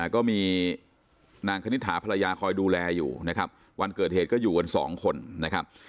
ก็มีนางคณิตถาภรรยาคอยดูแลอยู่นะครับวันเกิดเหตุก็อยู่กันสองคนนะครับ